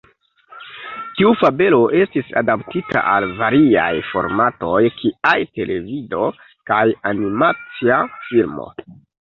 Tiu fabelo estis adaptita al variaj formatoj kiaj televido kaj animacia filmo.